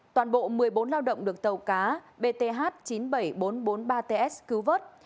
toàn bộ một mươi bốn lao động được tàu cá bth chín mươi bảy nghìn bốn trăm bốn mươi ba ts cứu vớt